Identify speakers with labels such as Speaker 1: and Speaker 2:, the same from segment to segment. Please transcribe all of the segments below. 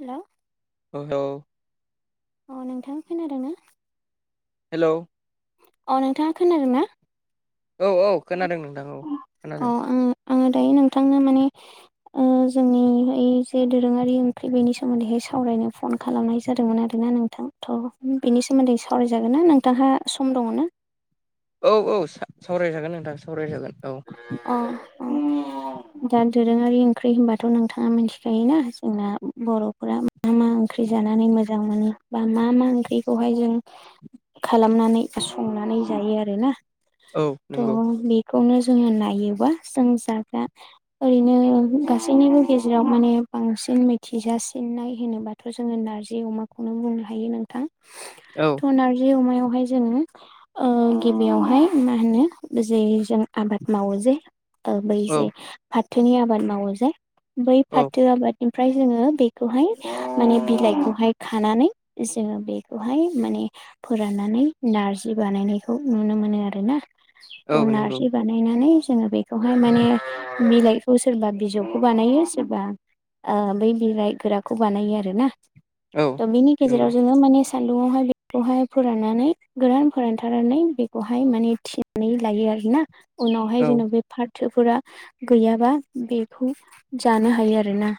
Speaker 1: Hello
Speaker 2: औ हेव
Speaker 1: अ नोंथां खोनादोंना?
Speaker 2: हेलौ
Speaker 1: अ नोंथाङा खोनादों ना?
Speaker 2: औ औ खोनादों नोंथां औ खोनादों।
Speaker 1: आ दायो नोंथांनो माने ओ जोंनि ओइ जे दोरोङारि ओंख्रि बेनि सोमोन्दैहाय सावरायनो फन खालामनाय जादोंमोन आरोना नों थां थ' बिनि सोमोन्दै सावरायजागोन ना नोंथांहा सम दङ ना?
Speaker 2: औ औ सा-सावरायजागोन नोंथां सावराय जागोन औ।
Speaker 1: आ आ दा दोरोङारि ओंख्रि होनबाथ नोंथाङा मिथिखायोना जोंना बर'फोरा मा मा ओंख्रि जानानै मोजां मोजां मोनो बा मा मा ओंख्रिखौहाय जों खालामनानै संनानै जायो आरोना
Speaker 2: औ
Speaker 1: थ'
Speaker 2: नंगौ
Speaker 1: बे खौनो जोङो नायोबा जों जाग्रा ओरैनो गासैनिबो गेजेराव माने बांसिन मिथिजासिननाय होनोब्ला थ जोङो नार्जि अमाखौनो बुंनो हायो नोंथां
Speaker 2: औ
Speaker 1: नारजि अमायावहाय जोङो गिबियावहाय मा होनो जे जों आबाद मावो जे बै जे
Speaker 2: औ
Speaker 1: फाथोनि आबाद मावो जे बै
Speaker 2: औ
Speaker 1: फाथो आबादनिफ्राय जोङो बेखौहाय माने बिलाइखौहाय खानानै जोङो बेखौहाय माने फोराननानै नारजि बानायनायखौ नुनो मोनो आरोना
Speaker 2: औ
Speaker 1: थ
Speaker 2: नंगौ
Speaker 1: नारजि बानायनानै जोङो बेखौहाय माने मिलाइखौ सोरबा बिजौखौ बानायो सोरबा बै बिलाइ गोराखौ बानायो आरोना
Speaker 2: औ
Speaker 1: थ बिनि
Speaker 2: नंगौ
Speaker 1: गेजेराव जोङो माने सान्दुुङावहाय बेखौहाय फोराननानै गोरान फोरानथारनानै बेखौहाय माने थिनानै लायो आरोना उनावहाय
Speaker 2: औ
Speaker 1: जेनबा बे फाथोफोरा गैयाबा बेखौ जानो हायो आरोना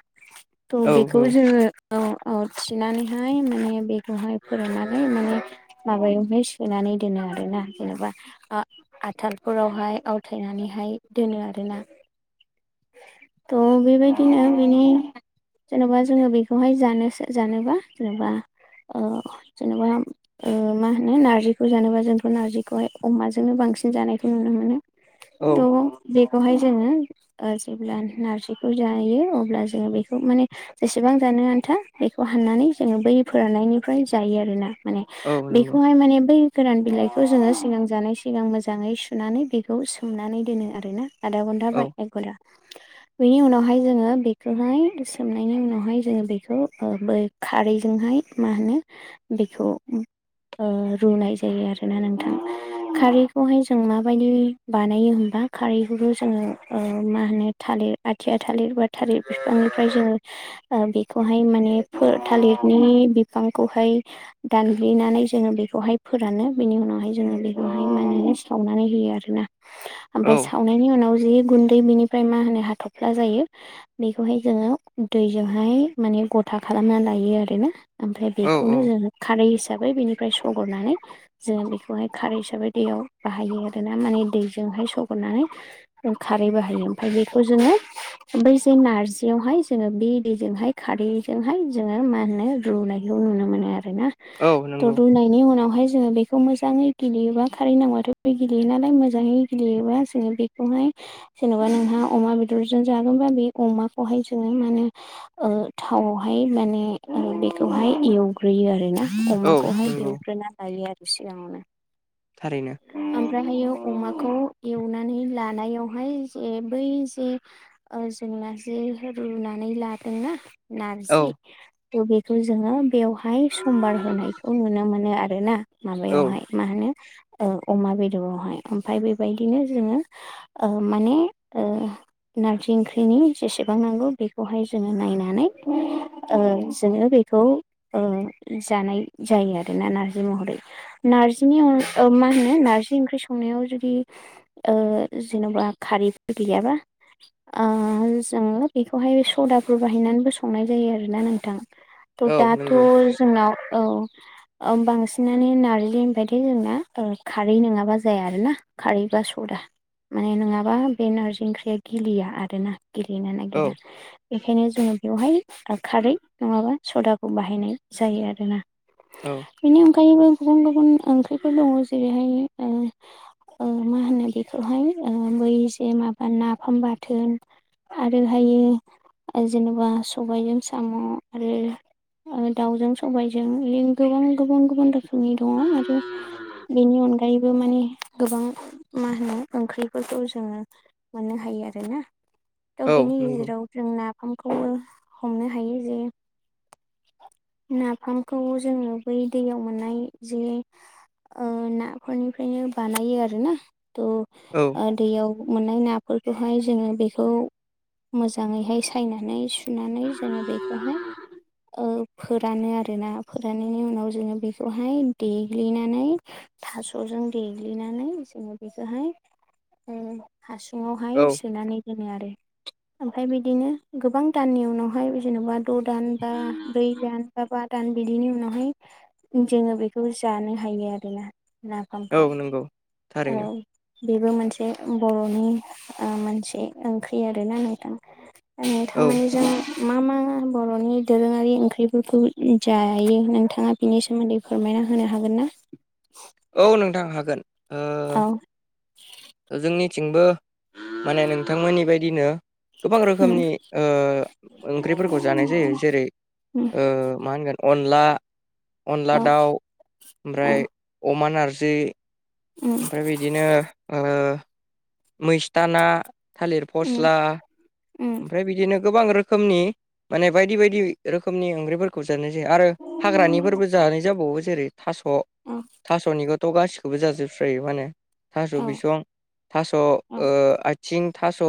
Speaker 1: औ बेखौ जोङो औ औथिनानैहाय माने बेखौहाय फोराननानै माने माबायावहाय सोनानै दोनो आरोना जेनेबा आ आथालफोराव हाय आवथायनानैहाय दोनो आरोना थ बेबायदिनो बिनि जेनबा जोङो बेखौहाय जानो जानोबा जेनेबा जेनेबा मा होनो नारजिखौ जानोबा जोंथ नारजिखौहाय अमाजोंनो बांसिन जानायखौ नुनो मोनो
Speaker 2: औ
Speaker 1: थ बेखौहाय जोङो जेब्ला नारजिखौ जायो अब्ला जोङो बेखौ माने जेसेबां जानो आन्था बेखौ हाननानै जोङो बै फोराननायनिफ्राय जायो आरोना माने
Speaker 2: औ नंगौ
Speaker 1: बेखौहाय माने बै गोरान बिलाइखौ जोङो सिगां जानाय सिगां मोजाङै सुनानै बेखौ सोमनानै दोनो आरोना आधा घन्टा
Speaker 2: औ
Speaker 1: बाय एक घन्टा बेनि उनावहाय जोङो बेखौहाय सोमनायनि उनावहाय जोङो बेखौ बै खारैजोंहाय मा होनो बेखौ रुनाय जायो आरोना नोंथां खारैखौहाय जों माबायदि बानायो होमबा खारैखौ जोङो मा होनो थालिर आथिया थालिर बा थालिर बिफांनिफ्राय जोङो बेखौहाय माने फो थालिरनि बिफांखौहाय दानग्लिनानै जोङो बेखौहाय फोरानो बिनि उनावहाय जोङो बेखौहाय माने सावनानै होयो आरोना
Speaker 2: औ
Speaker 1: ओमफ्राय सावनायनि उनाव जि गुन्दै बिनिफ्राय मा होनो हाथफ्ला जायो बेखौहाय जोङो दैजोंहाय माने गथा खालामना लायो आरोना ओमफ्राय
Speaker 2: औ
Speaker 1: बेखौनो जोङो खारै हिसाबै बेनिफ्राय सगरनानै जों बेखौहाय खारै हिसाबै दैयाव बाहायो आरोना माने दैजोंहाय सगरनानै खारैबो हायो ओमफ्राय बेखौ जोङो बै जे नारजियावहाय जोङो बे दैजोंहाय खारैजोंहाय जोङो मा होनो रुनायखौ नुनो मोनो आरोना
Speaker 2: औ नंगौ
Speaker 1: रूनायनि उनावहाय जोङो बेखौ मोजाङै गिलियोबा खारै नांगौबाथ बे गिलियो नालाय मोजां मोजाङै गिलियोबा जोङो बेखौहाय जेनेबा नोंहा अमा बेदरजों जागोनबा बे अमाखौहाय जोङो मा होनो थावआवहाय माने बेखौहाय एवग्रोयो आरोना
Speaker 2: औ
Speaker 1: अमाखौहाय
Speaker 2: नंगौ
Speaker 1: एवग्रोना लायो आरो सिगाङावनो
Speaker 2: थारैनो
Speaker 1: ओमफ्रायहायो अमाखौ एवनानै लानायावहाय जे बै जे जोंना जे रुनानै लादोंना
Speaker 2: औ
Speaker 1: नारजि थ' बेखौ जोङो बेयाव हाय समबार होनायखौ नुनो मोनो आरो ना
Speaker 2: औ
Speaker 1: माबायावहाय मा होनो औ अमा बेदरावहाय ओमफफ्राय बेबायदिनो जोङो ओ माने नारजि ओंख्रिनि जेसेबां नांगौ बेखौहाय जोङो नायनानै ओ जोङो बेखौ जानाय जायो आरोना नारजि महरै नार्जिनि मा होनो नारजि ओंख्रि संनायाव जुदि ओ जेन'बा खारैफोर गैयाबा ओ जोङो बेखौहाय सदाफोर बाहायनानैबो संनाय जायो आरोना नोंथां थ'
Speaker 2: औ
Speaker 1: दाथ'
Speaker 2: नंगौ
Speaker 1: जोंनाव औ बांसिनानो नारजि बायदि जोंना ओ खारै नङाबा जाया आरोना खारैबा सदा माने नङाबा बे नारजि ओंख्रिया गिलिया आरो ना गिलिनो
Speaker 2: औ
Speaker 1: नागिरा बेखायनो जोङो बेवहाय खारै नङाबा सदाखौ बाहायनाय जायो आरोना।
Speaker 2: औ
Speaker 1: बेनि अनगायैबो गुबुन गुबुन ओंख्रिफोर दङ जेरैहाय ओ मा होनो बेखौहाय ओ बै जे माबा नाफाम बाथोन आरो हायो ओ जेनेबा सबायजों साम' आरो दाउजों सबायजों बिदि गोबां गोबां गुबुन गुबुन रोखोमनि दङ आरो बेनि अनगायैबो माने गोबां मा होनो ओंख्रि फोरफोरखौ जोङो मोननो हायो आरोना थ'
Speaker 2: औ
Speaker 1: बेनि
Speaker 2: नंगौ
Speaker 1: गेजेराव जों नाफामखौबो हमनो हायो जे नाफामखौ जोङो बै दैयाव मोननाय जे ओ नाफोरनिफ्रायनो बानायो आरोना थ'
Speaker 2: औ
Speaker 1: ओ दैयाव मोननाय नाफोरखौहाय जोङो बेखौ मोजाङैहाय सायनानै सु फनानै जोङो बेखौहाय ओ फोरानो आरो ना फोराननायनि उनाव जोङो बेखौहाय देग्लिनानै थास'जों देग्लिनानै जोङो बेखौहाय ओ हासुुंआवहाय
Speaker 2: औ
Speaker 1: सोनानै दोनो आरो ओमफ्राय बिदिनो गोबां दाननि उनावहाय जेन'बा द' दान बा ब्रै दान बाबा दान बिदिनि उनावहाय जोङो बेखौ जानो हायो आरोना
Speaker 2: औ
Speaker 1: नाफामखौ
Speaker 2: नंगौ
Speaker 1: औ
Speaker 2: थारैनो
Speaker 1: बेबो मोनसे बर'नि ओ मोनसे ओंख्रि आरोना नोंथां। ओ
Speaker 2: औ
Speaker 1: थांनायजों मा मा बर'नि दोरोङारि ओंख्रिफोरखौ जायो नोंथाङा बिनि सोमोन्दै फोरमायना होनो हागोन ना?
Speaker 2: औ नोंथां हागोन ओ
Speaker 1: औ
Speaker 2: जोंनिथिंबो माने नोंथांमोननि बायदिनो गोबां
Speaker 1: उम
Speaker 2: रोखोमनि ओंख्रिफोरखौ जानाय जायो जेरै
Speaker 1: उम
Speaker 2: ओ मा होनगोन अनला अनला
Speaker 1: औ
Speaker 2: दाउ
Speaker 1: औ
Speaker 2: ओमफ्राय अमा नारजि
Speaker 1: उम
Speaker 2: ओमफ्राय बिदिनो ओ मैस्थाना थालिर फस्ला
Speaker 1: उम
Speaker 2: ओमफ्राय बिदिनो गोबां रोखोमनि माने बायदि बायदि रोखोमनि ओंख्रिफोरखौ जानाय जायो। आरो
Speaker 1: औ
Speaker 2: हाग्रानिफोरबो जानाय जाबावो जेरै थास'
Speaker 1: अ
Speaker 2: थास'निखौथ' गासिखौबो जाजोबस्रायो माने थास'
Speaker 1: औ
Speaker 2: बिसं थास'
Speaker 1: औ
Speaker 2: आथिं थास'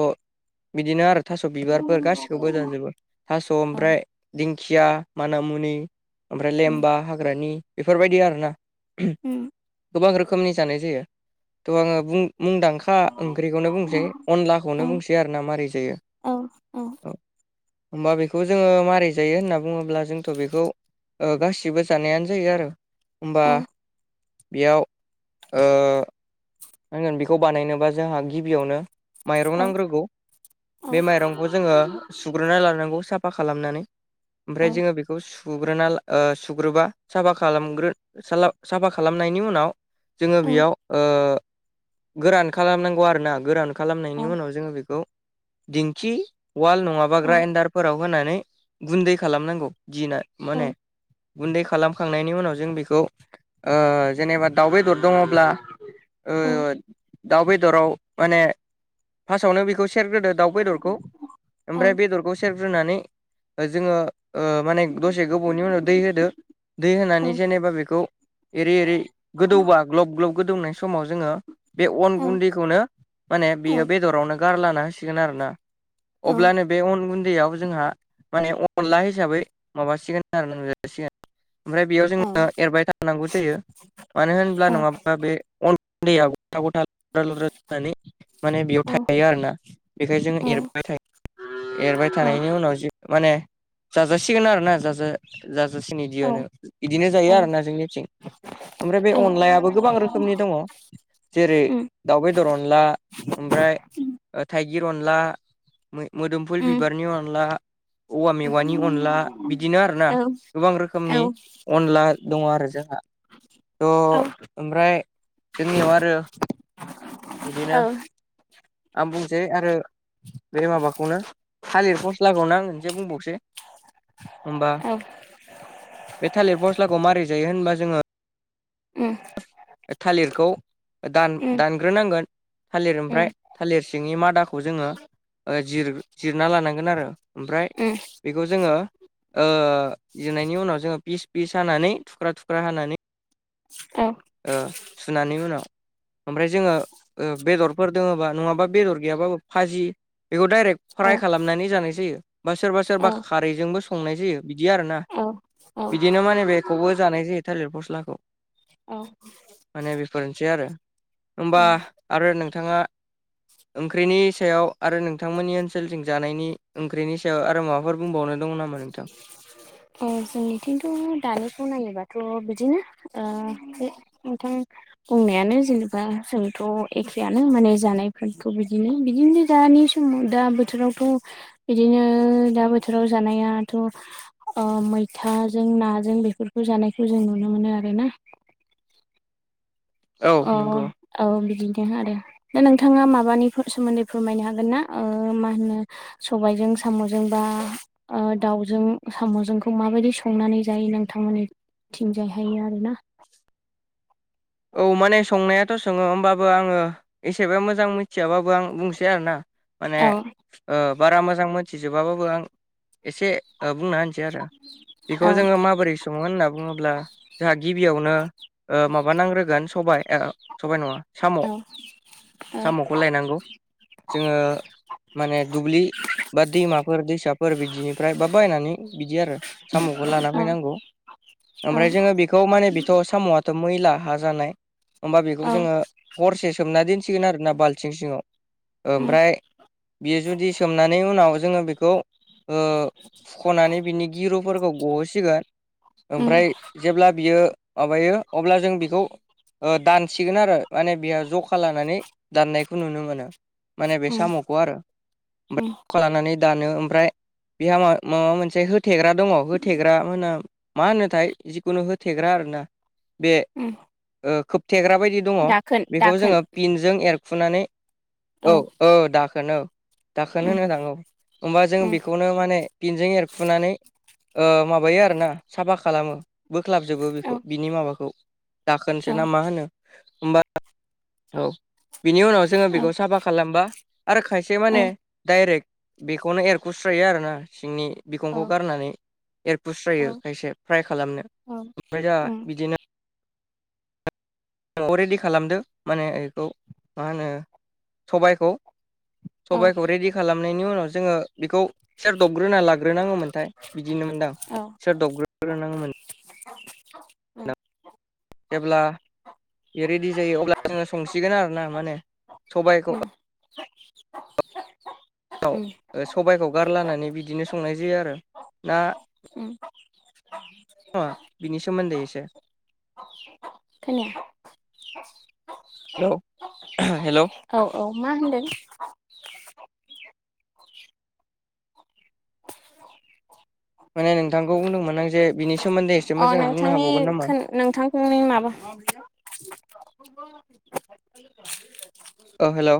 Speaker 2: बिदिनो आरो थास' बिबारफोर
Speaker 1: उम
Speaker 2: गासिखौबो दानजोबो थास' ओमफ्राय दिंखिया माना मुनि ओमफ्राय लेमबा हाग्रानि बेफोरबायदि आरोना
Speaker 1: उम
Speaker 2: गोबां रोखोमनि जानाय जायो थ' आङो मुं मुंदांखा सा
Speaker 1: औ
Speaker 2: ओंख्रिखौनो बुंसै
Speaker 1: औ
Speaker 2: अनलाखौनो बुंसै आरोना मारै जायो औ होमबा बेखौ जोङो मारै जायो होनना बुङोब्ला जोंथ' बेखौ ओ गासिबो जानायानो जायो आरो होनबा
Speaker 1: औ
Speaker 2: बेयाव ओ नांगोन बेखौ बानायनोबा जोंहा गिबियावनो माइरं
Speaker 1: औ
Speaker 2: नांग्रोगौ
Speaker 1: औ
Speaker 2: बे माइरंखौ जोङो सुग्रोना लानांगौ साफा खालामनानै ओमफ्राय जोङो बेखौ सु सुग्रोना ओ सुग्रोबा साफा खालामग्रो साफा खालामनायनि उनाव जोङो बेयाव ओ गोरान खालामनांगौ आरोना गोरान खालामनायनि उनाव जोङो बेखौ दिंखि वाल नङाबा ग्राइन्डारफोराव होनानै गुन्दै खालामनांगौ जिना माने गुन्दै खालामखांनायनि उनाव जों बेखौ जेनेबा दाउ बेदर दङब्ला ओ
Speaker 1: औ
Speaker 2: दाउ बेदराव माने फार्स्टआवनो बेखौ सेरग्रोदो दाउ बेदरखौ ओमफ्राय बेदरखौ सेरग्रोनानै ओ जोङो ओ माने दसे गोबावनि उनाव दै होदो दै होनानै
Speaker 1: औ
Speaker 2: जेनेबा बेखौ एओरै एरै गोदौबा ग्लब ग्लब गोदौनाय समाव जोङो बे अन गुन्दैखौनो माने बेयो बेदरावनो गारला होसिगोन आरो ना अब्लानो बे अन गुन्दैयाव जोंहा माने अनला हिसाबै माबासिगोन आरो [unintelligible] ओमफ्राय बेयाव जोङो एरबाय थानांगौ जायो मानो होनब्ला नङाबा बे दैयाव गथा गथा लद्रा लद्रा थानानै माने बेयाव थायो आरोना बेखायनो जों एरबोबाय जायो। एरबाय थानायनि उनाव जि माने जाजासिगोन आरोना जाजा जाजासिनो
Speaker 1: औ
Speaker 2: बिदियनो बिदिनो
Speaker 1: औ
Speaker 2: जायो आरो ना जोंनिथिं ओमफ्राय बे
Speaker 1: औ
Speaker 2: अनलायाबो गोबां रोखोमनि दङ जेरै दाउ बेदर अनला ओमफ्राय थाइगिर अनला मोदोमफुल बिबारनि अनला औवा मेवानि अनला बिदिनो आरोना गोबां रोखोमनि अनला दङ आरो जोंहा थ' ओमफ्राय ओंनियाव आरो बिदिनो आं बुंसै आरो बे माबाखौनो थालिर फस्लागनो आं खनसे बुंबावसै होमबा बे थालिर फस्लाखौ मारै जायो होनबा जोङो
Speaker 1: ओ
Speaker 2: थालिरखौ दान
Speaker 1: जोंनिथिंथ'
Speaker 2: दानग्रोनांगोन थालिर ओमफ्राय थालिर सिंनि मादाखौ जोङो ओ जिर जिरना लानांगोन आरो ओमफ्राय बेखौ जोङो ओ जिरनायनि उनाव जोङो फिस फिस हानानै थुख्रा थुख्रा हानानै ओ सुनायनि उनाव ओमफ्राय जोङो बेदरफोर दोङोबा नङाबा बेदर गैयाबाबो फाजि बेखौ डाइरेक्ट फ्राइ खालामनानै जानाय जायो। बा सोरबा सोरबा खारैजोंबो संनाय जायो बिदि आरोना बिदिनो माने बेखौबो जानाय जायो थाइलेर फस्लाखौ
Speaker 1: औ
Speaker 2: माने बेफोरनोसै आरो होमबा आरो नोंथाङा ओंख्रिनि सायाव आरो नोंथांमोननि ओनसोलजों जानायनि ओंख्रिनि सायाव आरो माबाफोर बुंबावनो दङ नामा नोंथां
Speaker 1: जोंनिथिंथ' दानिखौ नायोबाथ' बिदिनो ओ नोंथां बुंनायानो जेनेबा जोंथ' एखेयानो माने जानायफोरखौ बिदिनो बिदिनो दानि दा बोथोरावथ' बिदिनो दा बोथोराव जानायाथ' ओ मैथाजों नाजों बेफोरखौ जानायखौ जों नुनो मोनो आरोना
Speaker 2: औ
Speaker 1: अ
Speaker 2: नंगौ
Speaker 1: औ बिदिनो आरो दा नोंथांआ माबानिफोर सोमोन्दै फोरमायनो हागोन ना ओ मा होनो सबायाइजों साम'जों बा ओ दाउजों साम'जोंखौ माबादि संनानै जायो नोंथांमोनि थिंजायहायो आरो ना
Speaker 2: औ माने संनायाथ' सोङो होमबाबो आङो एसेबां मोजां मिथिआबाबो आं बुंसै आरो ना माने
Speaker 1: औ
Speaker 2: ओ बारा मोजां मोनथिजोबाबाबो आं एसे ओ बुंना होसै आरो बेखौ
Speaker 1: औ
Speaker 2: जोङो माबोरै स संङो होनना बुङोब्ला जोंहा गिबिआवनो ओ माबा नांग्रोगोन गोन सबाय ओ सबाय नङा साम'
Speaker 1: औ
Speaker 2: साम'खौ लायनांगौ जोङो माने दुब्लि बा दैमाफोर दैसाफोर बिदिनो आमफ्राय बा बायनानै बिदि आरो साम'खौ लाना
Speaker 1: औ
Speaker 2: फैनांगौ
Speaker 1: औ
Speaker 2: आमफ्राय जोङो बेखौ बेखौ माने बेथ' साम'आथ' मैला हा जानाय होमबा बेखौ
Speaker 1: औ
Speaker 2: जोङो हरसे सोमना दोनसिगोन आरोना बालथिं सिंआव
Speaker 1: उम
Speaker 2: ओमफ्राय बेयो जुदि सोमनानै उनाव जोङो बेखौ ओ फुख'नानै बिनि गिहुफोरखौ गहोसिगोन
Speaker 1: उम
Speaker 2: आमफ्राय जेब्ला बियो माबायो अब्ला जों बिखौ ओ दानसिगोन आरो माने बियो ज'खा लानानै दाननायखौ नुनो मोनो माने बे
Speaker 1: उम
Speaker 2: साम'खौ आरो ओमफ्राय
Speaker 1: उम
Speaker 2: ज'खा लानानै दानो ओमफ्राय बिहा मा माबा मोनसे होथेग्रा दङ होथेग्रा होनो मा होनोथाय जिखुनो होथेग्रा आरोना बे
Speaker 1: उम
Speaker 2: ओ खोबथेग्रा बायदि दङो
Speaker 1: दाखोन
Speaker 2: बेखौ
Speaker 1: दाखोन
Speaker 2: जोङो फिन‌ जों एरखुनानै औ ओ दाखोन औ दाखोन
Speaker 1: उम
Speaker 2: होनहो नांगौ होमबा जों
Speaker 1: उम
Speaker 2: बेखौनो थारमाने बिनजों एरखुनानै माबायो आरो ना साफा खालामो बोख्लाबजोबो बेखौ
Speaker 1: औ
Speaker 2: बिनि माबाखौ दाखोनसो
Speaker 1: औ
Speaker 2: ना मा होनो होमबा औ बिनि उनाव जोङो
Speaker 1: औ
Speaker 2: बेखौ साफा खालामबा आरो खायसे
Speaker 1: औ
Speaker 2: माने डाइरेक्ट बेखौनो एरख'स्रायो आरोना सिंनि बिखंखौ गारनानै
Speaker 1: औ
Speaker 2: एरखुस्रायो खायसे फ्राय खालामनो
Speaker 1: औ
Speaker 2: आमफ्राय दा
Speaker 1: उम
Speaker 2: बिदिनो ओ रेडि खालामदो माने बेखौ मा होनो स'बायखौ
Speaker 1: औ औ
Speaker 2: स'बायखौ रेडि खालामनायनि उनाव जोङो बेखौ सोरदोब ग्रोना लाग्रोनाङोमोनथाय बिदिनो मोनदां सोर दोबग्रोनाङोमोन
Speaker 1: [inaudible]
Speaker 2: जेब्ला रेडि जायो अब्ला जोङो संसिगोन आरो ना माने स'बायखौ
Speaker 1: उम
Speaker 2: औ स'बायखौ गारलानानै बिदिनो संनाय जायो आरो ना
Speaker 1: उम
Speaker 2: अ बिनि सोमोनदै एसे
Speaker 1: खोनाया [inaudible]
Speaker 2: औ उम हेलौ
Speaker 1: औ औ मा होनदों
Speaker 2: माने नोंथांखौ बुंदोंमोन आं जे बिनि सोमोन्दै एसे
Speaker 1: अ
Speaker 2: मोजांयै बुंनो
Speaker 1: नोंथांनि
Speaker 2: हाबावगोन नामा
Speaker 1: नोंथांनि माबाखौ [inaudible] [inaudible]
Speaker 2: औ हेलौ